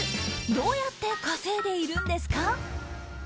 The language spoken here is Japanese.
どうやって稼いでいるんですか？